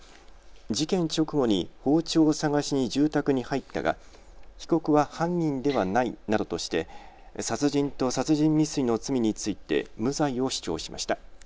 事件直後に包丁を探しに住宅に入ったが被告は犯人ではないなどとして殺人と殺人未遂の罪について無罪を主張しました。